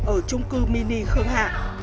ở trung cư mini khương hạ